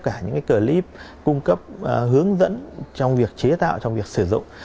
cả những cái clip cung cấp hướng dẫn trong việc chế tạo trong việc sử dụng